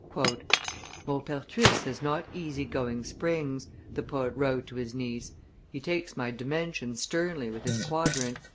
"Maupertuis has not easygoing springs," the poet wrote to his niece; "he takes my dimensions sternly with his quadrant.